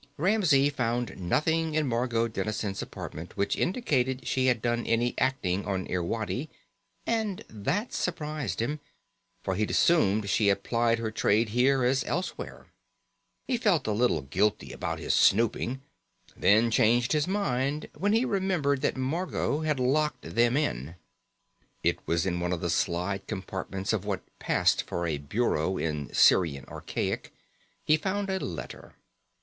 Ramsey found nothing in Margot Dennison's apartment which indicated she had done any acting on Irwadi, and that surprised him, for he'd assumed she had plied her trade here as elsewhere. He felt a little guilty about his snooping, then changed his mind when he remembered that Margot had locked them in. In one of the slide compartments of what passed for a bureau in Sirian archaic, he found a letter.